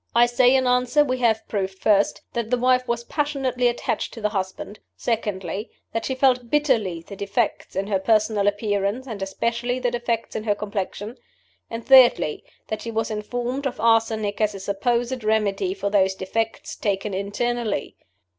I say, in answer, we have proved, first, that the wife was passionately attached to the husband; secondly, that she felt bitterly the defects in her personal appearance, and especially the defects in her complexion; and, thirdly, that she was informed of arsenic as a supposed remedy for those defects, taken internally.